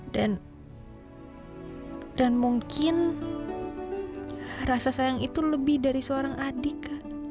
dan dan mungkin rasa sayang itu lebih dari seorang adik